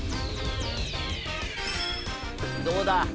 どうだ？